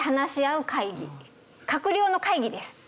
閣僚の会議です。